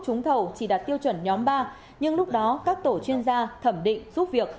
trúng thầu chỉ đạt tiêu chuẩn nhóm ba nhưng lúc đó các tổ chuyên gia thẩm định giúp việc